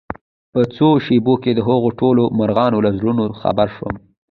په څو شېبو کې دهغو ټولو مرغانو له زړونو خبر شوم